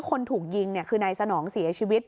พอหลังจากเกิดเหตุแล้วเจ้าหน้าที่ต้องไปพยายามเกลี้ยกล่อม